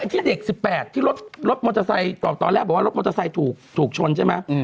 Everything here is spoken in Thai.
ที่เด็ก๑๘ที่รถมอเตอร์ไซค์บอกตอนแรกบอกว่ารถมอเตอร์ไซค์ถูกชนใช่ไหม